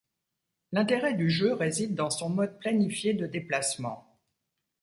L'intérêt du jeu réside dans son mode planifié de déplacement.